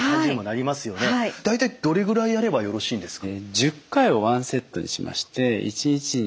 大体どれぐらいやればよろしいんですか？